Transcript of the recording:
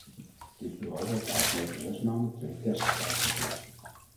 Dit bureau heeft de afgelopen zes maanden twee tests uitgevoerd.